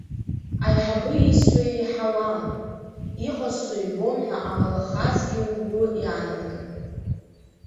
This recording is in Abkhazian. Аиҳабы исҳәо еиҳауам, иҟасҵо ибом ҳәа амалахазгьы угәы иаанамган.